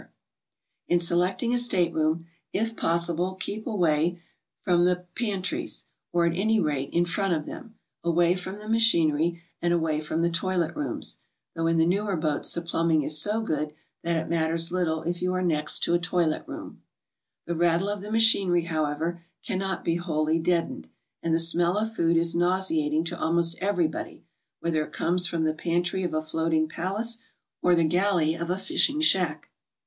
*r ♦^ In selecting a stateroom, if possible keep away from the 42 GOING x\BROAD? pantixcs, or, at any rate, in front of them; away from the machinery, and away from the toilet rooms, though in the newer boats the plumbing is so good that it matters little if you are next a toilet room. The rattle of the machinery, however, cannot be wholly deadened, and the smell of food is nauseating to almost everybody, whether it comes from the pantry of a floating palace or the galley of a fishing smack.